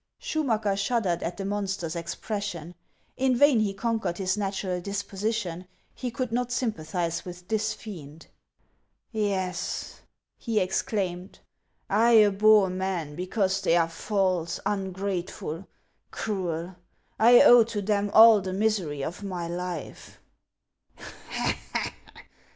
Schumacker shuddered at the monster's expression. In vain he conquered his natural disposition ; he could not sympathize with this fiend. " Yes," he exclaimed, "' I abhor men because they are false, ungrateful, cruel. I owe to them all the misery of my life."